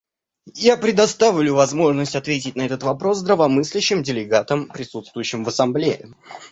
Я предоставлю возможность ответить на этот вопрос здравомыслящим делегатам, присутствующим в Ассамблее.